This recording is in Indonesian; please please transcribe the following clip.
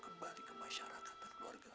kembali ke masyarakat dan keluarga